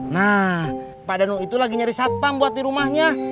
nah pak danu itu lagi nyari satpam buat di rumahnya